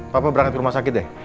papa berangkat ke rumah sakit deh